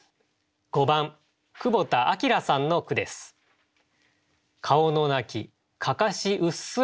５番久保田聡さんの句です。